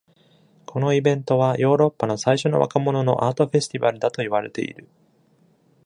このイベントはヨーロッパの最初の若者のアートフェスティバルだと言われている。